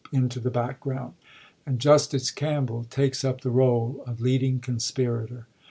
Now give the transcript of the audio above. <Sem'on into the background, and Justice Campbell takes vSi?fDoo up the role of leading conspirator.